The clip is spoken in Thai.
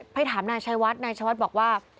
ไปถามนายชัยวัดนายชัยวัดบอกว่า